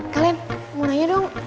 kalian mau nanya dong